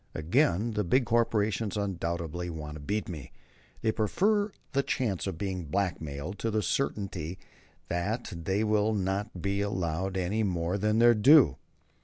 Again, the big corporations undoubtedly want to beat me. They prefer the chance of being blackmailed to the certainty that they will not be allowed any more than their due.